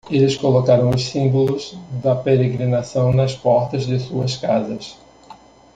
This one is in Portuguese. Eles colocaram os símbolos da peregrinação nas portas de suas casas.